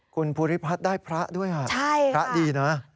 คุณพุทธิพัฒน์ได้พระด้วยค่ะพระดีนะใช่ค่ะ